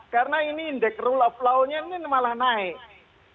karena ini indeks rule of law nya ini malah naik